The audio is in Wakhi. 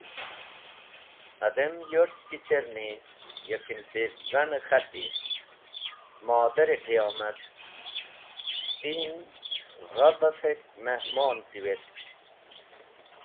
Adem yorch ki cherni, ya kimpirzaner k̃hati: Modar-e qiyomat! Ti’n gha bafek mehmon tiwetk.